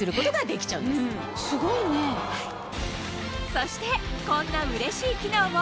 そしてこんなうれしい機能も！